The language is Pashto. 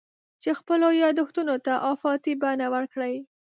چې خپلو یادښتونو ته افاقي بڼه ورکړي.